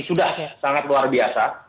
sudah sangat luar biasa